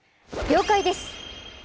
了解です。